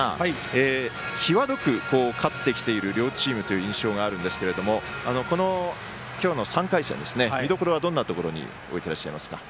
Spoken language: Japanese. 際どく勝ってきている両チームという印象があるんですけどこの今日の３回戦見どころはどんなところに置いてらっしゃいますか？